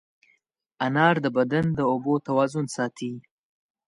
انار د بدن د اوبو توازن ساتي.